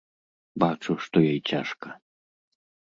Бачу, што ёй цяжка.